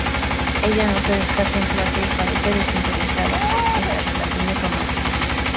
Ella no se destaca en clase, y parece desinteresada en las relaciones románticas.